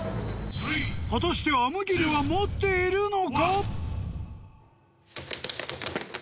［果たしてあむぎりは持っているのか？］